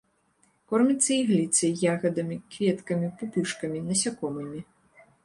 Корміцца ігліцай, ягадамі, кветкамі, пупышкамі, насякомымі.